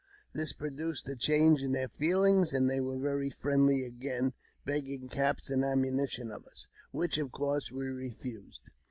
This pro duced a change in their feelings, and they were very friendly again, begging caps and ammunition of us, which, of course, we refused.